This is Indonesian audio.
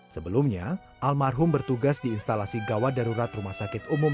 sebelumnya almarhum bertugas di instalasi gawat darurat rumah sakit umum